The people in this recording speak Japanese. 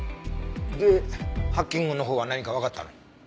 でハッキングのほうは何かわかったの？